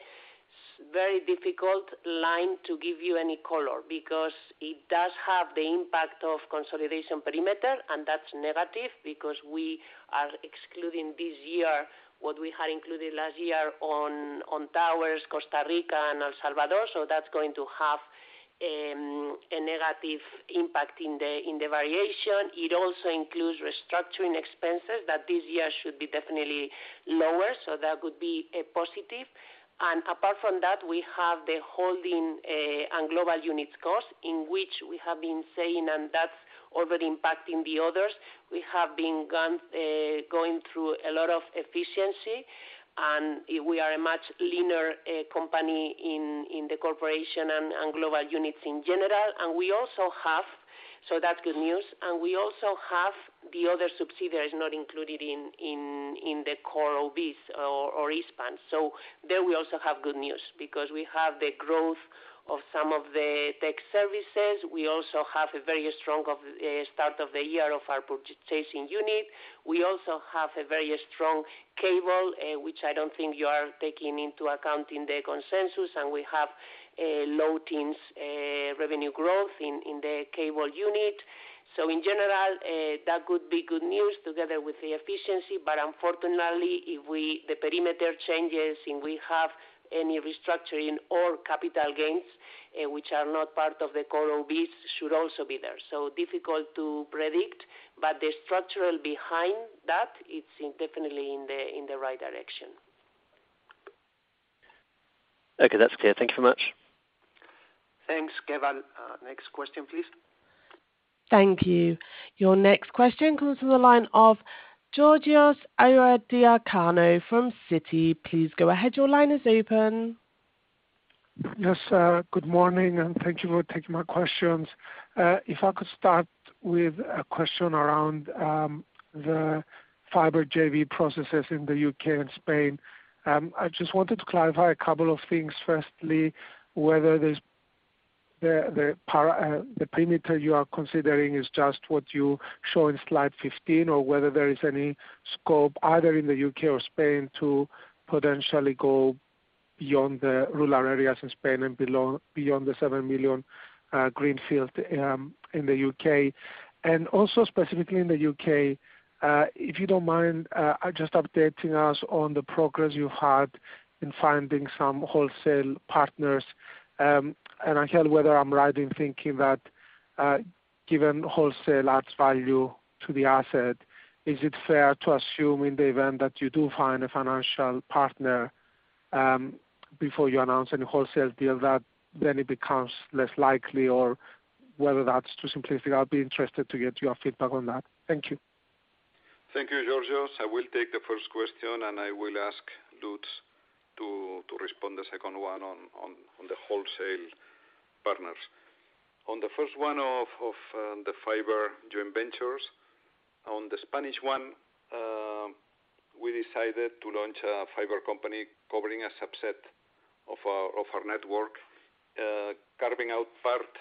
D: very difficult line to give you any color, because it does have the impact of consolidation perimeter, and that's negative because we are excluding this year what we had included last year on towers Costa Rica and El Salvador. That's going to have a negative impact in the variation. It also includes restructuring expenses that this year should be definitely lower. That would be a positive. Apart from that, we have the holding and global units cost, in which we have been saying, and that's already impacting the others. We have been going through a lot of efficiency, and we are a much leaner company in the corporation and global units in general. That's good news. We also have the other subsidiaries not included in the core OIBDAs or Hispam. There we also have good news, because we have the growth of some of the tech services. We also have a very strong start of the year of our purchasing unit. We also have a very strong cable, which I don't think you are taking into account in the consensus, and we have low-teens revenue growth in the cable unit. In general, that could be good news, together with the efficiency. Unfortunately, if the perimeter changes and we have any restructuring or capital gains, which are not part of the core OIBDAs, should also be there. Difficult to predict, but the structural behind that, it's definitely in the right direction.
H: Okay, that's clear. Thank you very much.
B: Thanks, Keval. Next question, please.
A: Thank you. Your next question comes from the line of Georgios Ierodiaconou from Citi. Please go ahead. Your line is open.
I: Yes, good morning, and thank you for taking my questions. If I could start with a question around the fiber JV processes in the U.K. and Spain. I just wanted to clarify a couple of things. Firstly, whether there's the perimeter you are considering is just what you show in slide 15, or whether there is any scope either in the U.K. or Spain to potentially go beyond the rural areas in Spain and below, beyond the 7 million greenfield in the U.K. Also, specifically in the U.K., if you don't mind, just updating us on the progress you had in finding some wholesale partners. Ángel Vilá, whether I'm right in thinking that, given wholesale adds value to the asset, is it fair to assume in the event that you do find a financial partner, before you announce any wholesale deal, that then it becomes less likely, or whether that's too simplistic? I'll be interested to get your feedback on that. Thank you.
C: Thank you, Georgios. I will take the first question, and I will ask Lutz to respond to the second one. The wholesale partners. On the first one of the fiber joint ventures, on the Spanish one, we decided to launch a fiber company covering a subset of our network, carving out part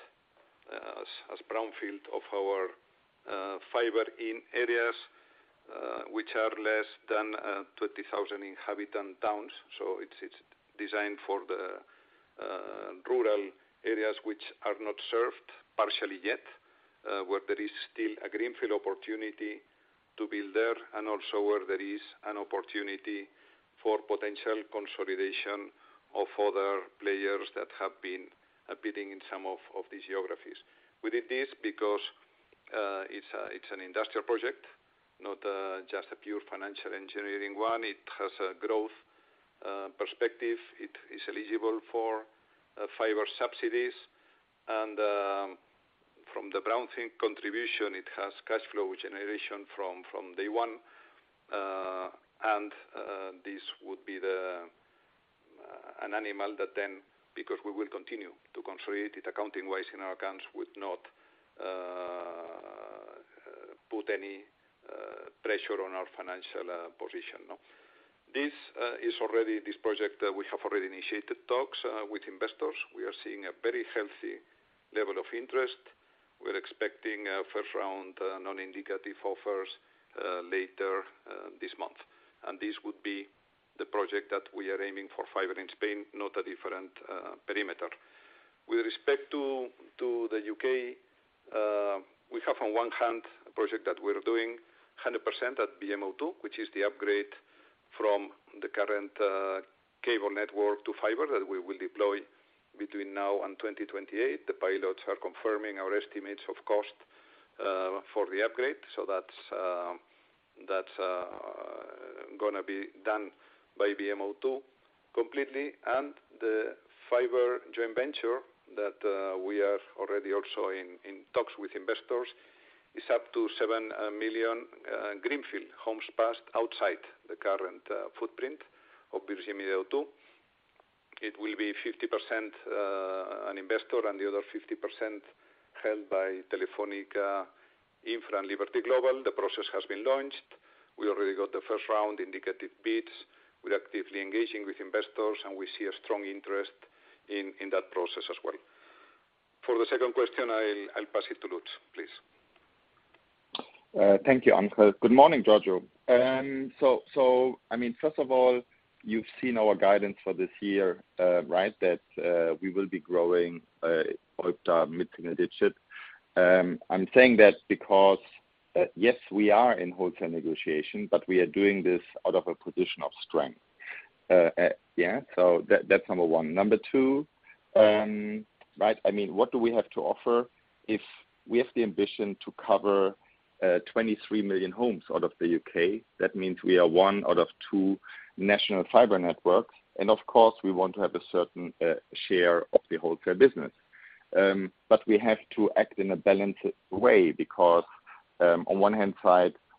C: as brownfield of our fiber in areas which are less than 20,000-inhabitant towns. It's designed for the rural areas, which are not served partially yet, where there is still a greenfield opportunity to build there, and also where there is an opportunity for potential consolidation of other players that have been bidding in some of these geographies. We did this because it's an industrial project, not just a pure financial engineering one. It has a growth perspective. It is eligible for fiber subsidies and, from the brownfield contribution, it has cash flow generation from day one. This would be an asset that, then, because we will continue to consolidate it accounting-wise in our accounts, would not put any pressure on our financial position, no? This is already this project that we have already initiated talks with investors. We are seeing a very healthy level of interest. We're expecting a first round indicative offers later this month. This would be the project that we are aiming for fiber in Spain, not a different perimeter. With respect to the U.K., we have on one hand a project that we're doing 100% at VMO2, which is the upgrade from the current cable network to fiber that we will deploy between now and 2028. The pilots are confirming our estimates of cost for the upgrade. That's gonna be done by VMO2 completely. The fiber joint venture that we are already also in talks with investors is up to 7 million greenfield homes passed outside the current footprint of Virgin Media O2. It will be 50% an investor and the other 50% held by Telefónica Infra and Liberty Global. The process has been launched. We already got the first round indicative bids. We're actively engaging with investors, and we see a strong interest in that process as well. For the second question, I'll pass it to Lutz, please.
J: Thank you, Ángel. Good morning, Giorgio. So I mean, first of all, you've seen our guidance for this year, right? That we will be growing OIBDA mid-single digits. I'm saying that because yes, we are in wholesale negotiation, but we are doing this out of a position of strength. So that's number one. Number two, right, I mean, what do we have to offer? If we have the ambition to cover 23 million homes in the U.K., that means we are one out of two national fiber networks. Of course, we want to have a certain share of the wholesale business. We have to act in a balanced way because on one hand,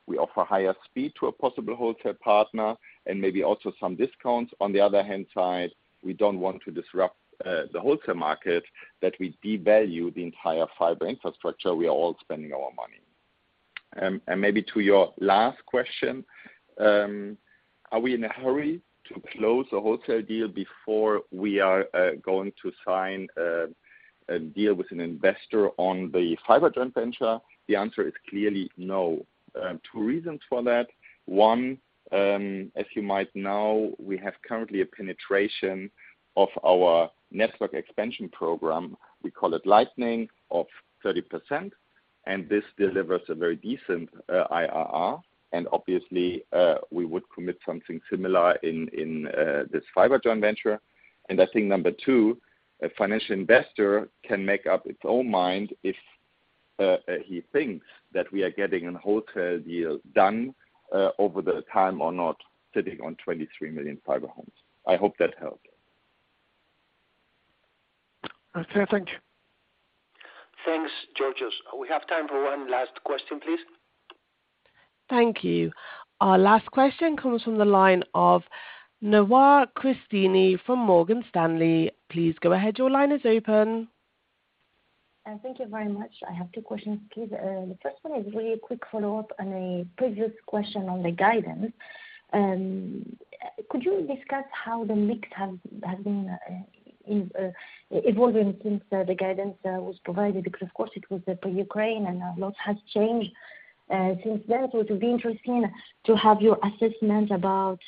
J: we offer higher speed to a possible wholesale partner and maybe also some discounts. On the other hand side, we don't want to disrupt the wholesale market that we devalue the entire fiber infrastructure we are all spending our money. Maybe to your last question, are we in a hurry to close a wholesale deal before we are going to sign a deal with an investor on the fiber joint venture? The answer is clearly no. Two reasons for that. One, as you might know, we have currently a penetration of our network expansion program, we call it Lightning, of 30%, and this delivers a very decent IRR. Obviously, we would commit something similar in this fiber joint venture. I think number two, a financial investor can make up its own mind if he thinks that we are getting a wholesale deal done over time or not sitting on 23 million fiber homes. I hope that helped.
C: Okay. Thank you.
B: Thanks, Giorgio. We have time for one last question, please.
A: Thank you. Our last question comes from the line of Nawar Cristini from Morgan Stanley. Please go ahead. Your line is open.
K: Thank you very much. I have two questions, please. The first one is really a quick follow-up on a previous question on the guidance. Could you discuss how the mix has been evolving since the guidance was provided? Because, of course, it was the Ukraine and a lot has changed since then. It would be interesting to have your assessment about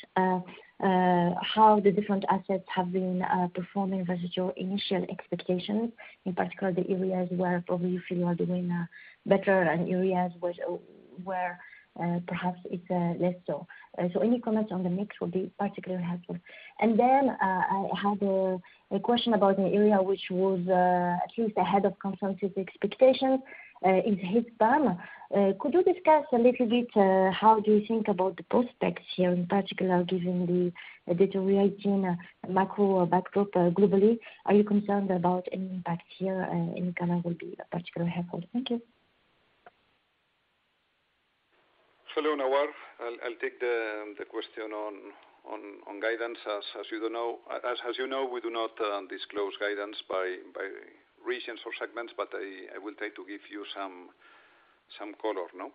K: how the different assets have been performing versus your initial expectations, in particular, the areas where probably you feel you are doing better and areas where perhaps it's less so. Any comments on the mix would be particularly helpful. I had a question about an area which was at least ahead of consensus expectations in Spain. Could you discuss a little bit, how do you think about the prospects here, in particular, given the deteriorating macro backdrop globally? Are you concerned about any impact here? Any comment will be particularly helpful. Thank you.
C: I'll take the question on guidance. As you know, we do not disclose guidance by regions or segments, but I will try to give you some color now.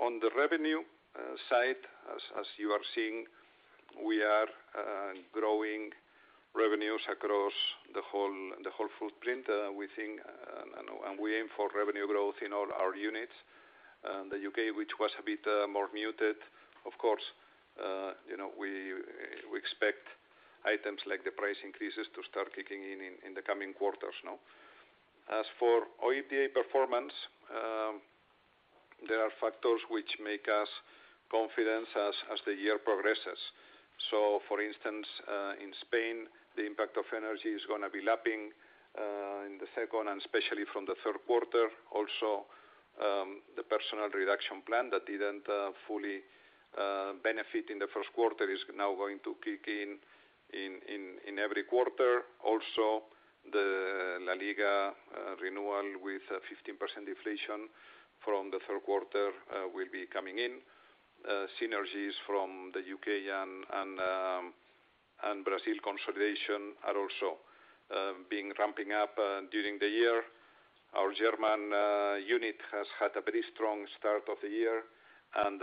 C: On the revenue side, as you are seeing, we are growing revenues across the whole footprint. We think, and we aim for revenue growth in all our units. The U.K., which was a bit more muted, of course, you know, we expect items like the price increases to start kicking in in the coming quarters, no? As for OIBDA performance, there are factors which make us confident as the year progresses. For instance, in Spain, the impact of energy is gonna be lapping in the second and especially from the third quarter. Also, the personnel reduction plan that didn't fully benefit in the first quarter is now going to kick in in every quarter. Also, the LaLiga renewal with a 15% deflation from the third quarter will be coming in. Synergies from the U.K. and Brazil consolidation are also being ramping up during the year. Our German unit has had a very strong start of the year and,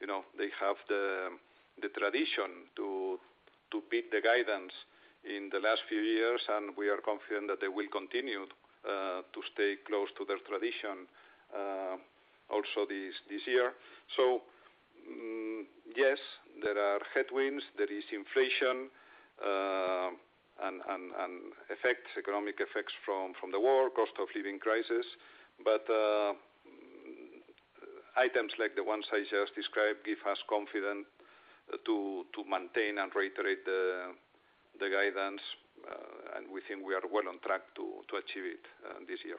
C: you know, they have the tradition to beat the guidance in the last few years, and we are confident that they will continue to stay close to their tradition also this year. Yes, there are headwinds. There is inflation and economic effects from the war, cost of living crisis, but items like the ones I just described give us confidence to maintain and reiterate the guidance, and we think we are well on track to achieve it this year.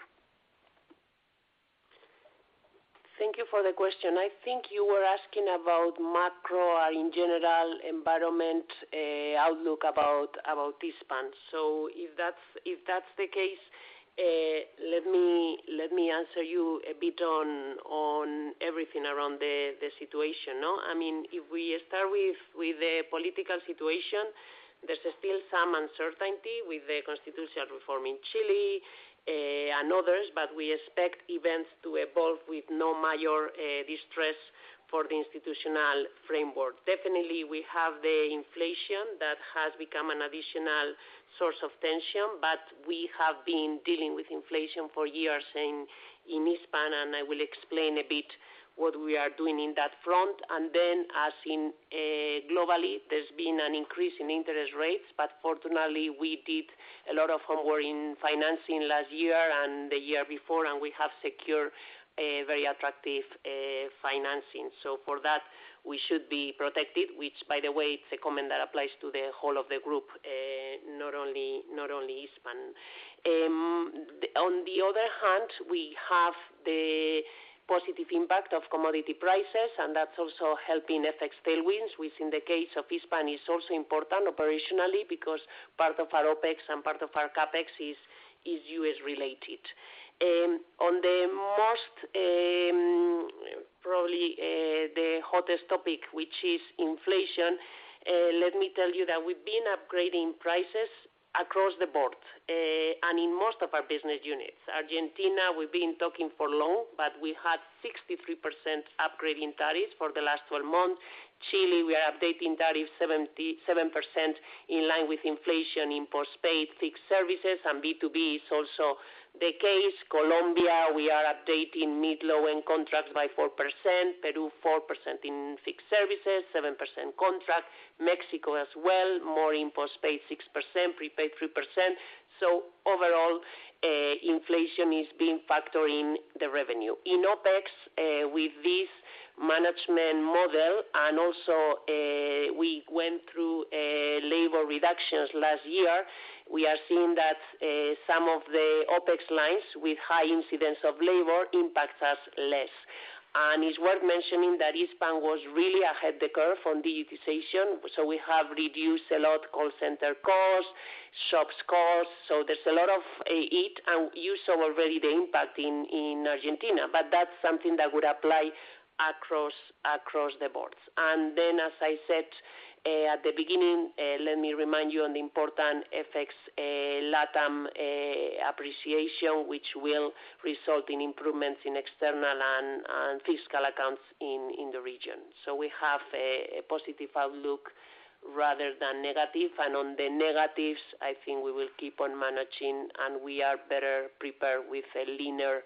D: Thank you for the question. I think you were asking about macro or in general environment, outlook about Hispam. If that's the case, let me answer you a bit on everything around the situation, no? I mean, if we start with the political situation, there's still some uncertainty with the constitutional reform in Chile and others, but we expect events to evolve with no major distress for the institutional framework. Definitely, we have the inflation that has become an additional source of tension, but we have been dealing with inflation for years in Hispam, and I will explain a bit what we are doing in that front. Globally, there's been an increase in interest rates, but fortunately, we did a lot of homegrown financing last year and the year before, and we have secured a very attractive financing. So for that, we should be protected, which by the way, it's a comment that applies to the whole of the group, not only Hispam. On the other hand, we have the positive impact of commodity prices, and that's also helping FX tailwinds, which in the case of Hispam is also important operationally because part of our OpEx and part of our CapEx is U.S.-related. On the most probably the hottest topic, which is inflation, let me tell you that we've been upgrading prices across the board, and in most of our business units. Argentina, we've been talking for long, but we had 63% upgrade in tariffs for the last 12 months. Chile, we are updating tariffs 77% in line with inflation in postpaid fixed services and B2B is also the case. Colombia, we are updating mid-low-end contracts by 4%. Peru, 4% in fixed services, 7% contracts. Mexico as well, more in postpaid 6%, prepaid 3%. Overall, inflation is being factored in the revenue. In OpEx, with this management model, and also, we went through labor reductions last year. We are seeing that some of the OpEx lines with high incidents of labor impact us less. It's worth mentioning that Hispam was really ahead the curve on digitization. We have reduced a lot call center costs, shops costs. There's a lot of it, and you saw already the impact in Argentina, but that's something that would apply across the boards. As I said at the beginning, let me remind you on the important FX LATAM appreciation, which will result in improvements in external and fiscal accounts in the region. We have a positive outlook rather than negative. On the negatives, I think we will keep on managing, and we are better prepared with a leaner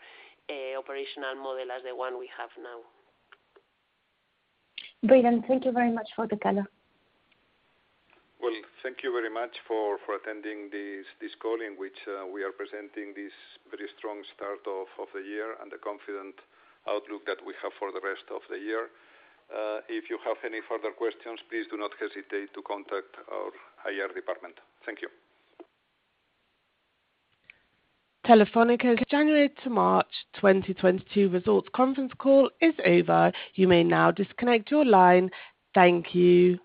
D: operational model as the one we have now.
C: Brilliant. Thank you very much for the color. Well, thank you very much for attending this call in which we are presenting this very strong start of the year and the confident outlook that we have for the rest of the year. If you have any further questions, please do not hesitate to contact our IR department. Thank you.
A: Telefónica's January to March 2022 results conference call is over. You may now disconnect your line. Thank you.